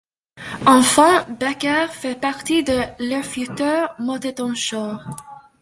Enfant, Becker fait partie de l'Erfurter Motettenchor.